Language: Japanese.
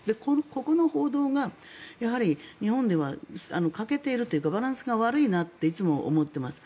ここの報道がやはり日本では欠けているというかバランスが悪いなっていつも思っています。